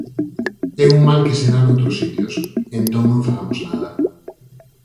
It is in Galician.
É un mal que se dá noutros sitios, entón non fagamos nada.